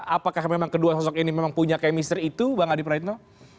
apakah memang kedua sosok ini memang punya chemistry itu pak adi praetno